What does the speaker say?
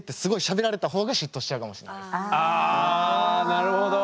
なるほど。